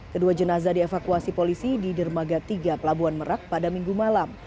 kedua jenazah dievakuasi polisi di dermaga tiga pelabuhan merak pada minggu malam